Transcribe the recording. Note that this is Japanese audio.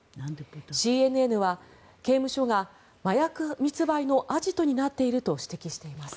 ＣＮＮは刑務所が麻薬密売のアジトになっていると指摘しています。